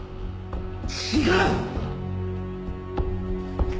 違う！